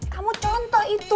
kamu contoh itu